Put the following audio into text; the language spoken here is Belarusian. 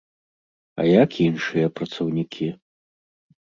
А як іншыя працаўнікі?